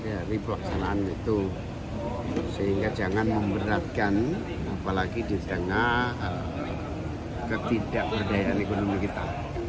dari pelaksanaan itu sehingga jangan memberatkan apalagi di tengah ketidakberdayaan ekonomi kita